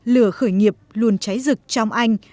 lửa khởi nghiệp luôn cháy rực trong anh